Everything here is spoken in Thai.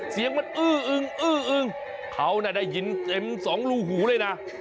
เสียงมันอื้ออึงเขาน่าได้ยินเต็ม๒รูหูเลยนะ